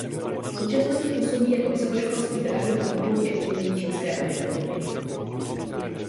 V současnosti působí jako vysokoškolský pedagog na Fakultě umění Chilské univerzity.